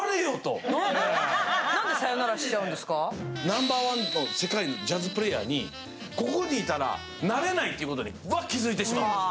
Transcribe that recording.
ナンバーワンの世界のジャズプレーヤーにここにいたらなれないということに気づいてしまう。